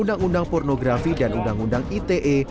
undang undang pornografi dan undang undang ite